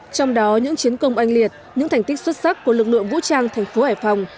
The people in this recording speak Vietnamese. trong đó những chiến công oanh liệt những thành tích xuất sắc của lực lượng vũ trang thành phố hải phòng